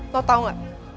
lo tau nggak